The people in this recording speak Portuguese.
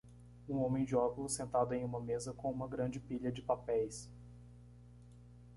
Um homem de óculos sentado em uma mesa com uma grande pilha de papéis.